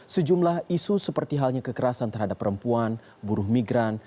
sejumlah isu seperti halnya kekerasan terhadap perempuan buruh migran